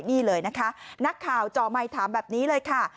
นี่เลยนะคะนักข่าวจ่อไมค์ถามแบบนี้เลยค่ะ